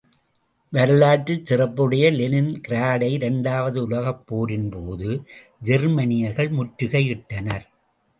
வரலாற்றுச் சிறப்புடைய லெனின்கிராடை இரண்டாவது உலகப்போரின் போது, ஜெர்மானியர் முற்றுகை இட்டனர்.